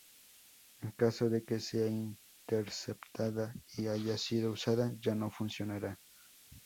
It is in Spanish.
En caso de que sea interceptada y haya sido usada, ya no funcionará.